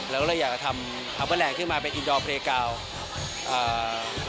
เราก็เลยอยากจะทำอัลเปอร์แลนด์ขึ้นมาเป็นอินดอร์เพลย์กาวอ่า